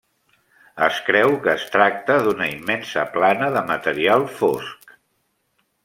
Es creu que es tracta d'una immensa plana de material fosc.